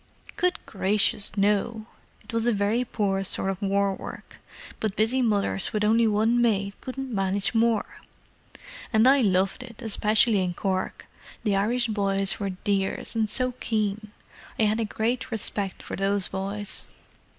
"Good gracious, no! It was a very poor sort of war work, but busy mothers with only one maid couldn't manage more. And I loved it, especially in Cork: the Irish boys were dears, and so keen. I had a great respect for those boys.